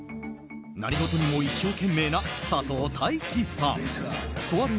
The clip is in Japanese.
何事にも一生懸命な佐藤大樹さん。